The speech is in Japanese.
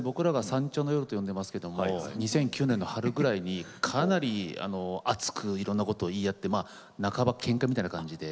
三茶の夜と呼んでいますけど２００９年の春くらいに、かなり熱くいろんなことを言い合って半ば、けんかみたいな感じで。